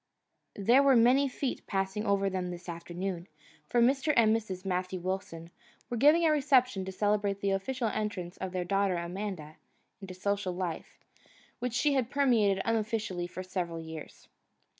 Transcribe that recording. There were many feet passing over them this afternoon, for Mr. and Mrs. Matthew Wilson were giving a reception to celebrate the official entrance of their daughter Amanda into a social life which she had permeated unofficially for several years.